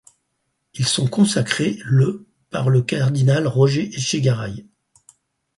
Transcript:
Ils sont consacrés le par le cardinal Roger Etchegaray.